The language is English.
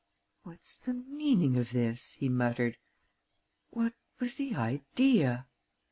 "What's the meaning of this?" he muttered. "What was the idea?..."